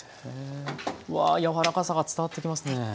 うわ柔らかさが伝わってきますね。